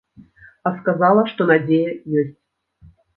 А сказала, што надзея ёсць.